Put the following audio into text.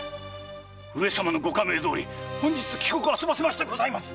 上様のご下命どおり本日帰国あそばせましてございます。